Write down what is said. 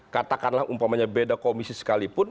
katakanlah umpamanya beda komisi sekalipun